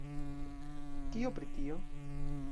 Kio pri tio?